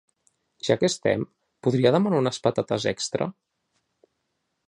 Ja que estem, podria demanar unes patates extra?